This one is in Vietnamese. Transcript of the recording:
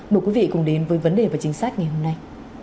mời quý vị cùng đến với vấn đề và chính sách ngày hôm nay